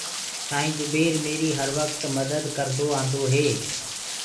سآئيٚنٚ جُبير ميريٚ هر وڪت مَدَت ڪردو آنٚدوئي۔